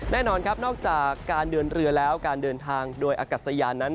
แน่นอนครับนอกจากการเดินเรือแล้วการเดินทางโดยอากาศยานนั้น